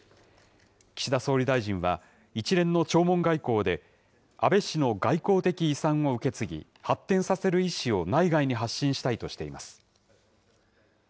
岸田総理大臣は、一連の弔問外交で、安倍氏の外交的遺産を受け継ぎ、発展させる意思を内外に発信したいとしています。